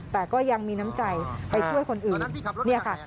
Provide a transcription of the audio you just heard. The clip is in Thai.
แต่ก็ยังมีน้ำใจไปช่วยคนอื่นเนี่ยค่ะ